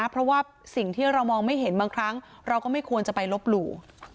เพราะว่าสิ่งที่เรามองไม่เห็นบางครั้งเราก็ไม่ควรจะไปลบหลู่